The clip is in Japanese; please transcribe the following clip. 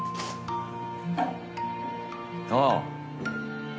ああ。